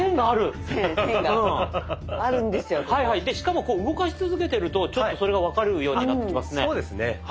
でしかも動かし続けてるとちょっとそれが分かるようになってきますね。